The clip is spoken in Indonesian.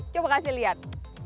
coba kasih lihat